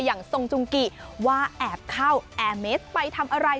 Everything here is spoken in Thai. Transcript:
อย่างทรงจุงกิว่าแอบเข้าแอร์เมสไปทำอะไร